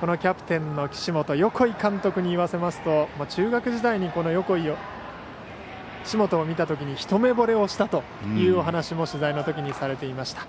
キャプテンの岸本横井監督に言わせますと中学時代に岸本を見たとき一目ぼれをしたというお話も取材のときにされていました。